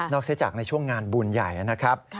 ใช้จากในช่วงงานบุญใหญ่นะครับ